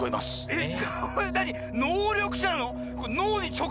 えっ！